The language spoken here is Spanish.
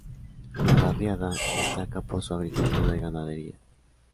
La barriada destaca por su agricultura y ganadería.